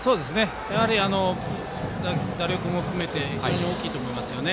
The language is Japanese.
やはり打力も含めて非常に大きいと思いますよね。